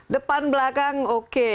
depan belakang oke